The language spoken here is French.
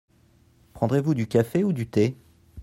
Prendrez-vous du café ou du thé ?